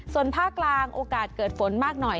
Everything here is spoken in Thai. ส่วนภาคกลางโอกาสเกิดฝนมากหน่อย